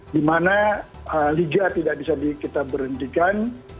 di mana liga tidak bisa kita berhentikan